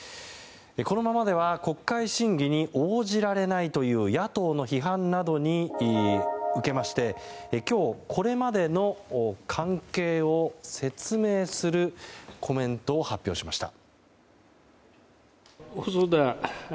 このままでは国会審議に応じられないという野党の批判などを受けまして今日、これまでの関係を説明するコメントを発表しました。